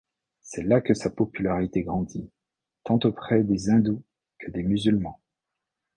C'est là que sa popularité grandit, tant auprès des hindous que des musulmans.